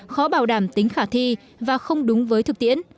khó bảo đảm tính khả thi và không đúng với thực tiễn